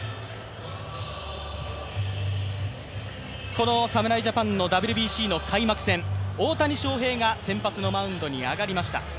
この侍ジャパンのＷＢＣの開幕戦、大谷翔平が先発のマウンドに上がりました。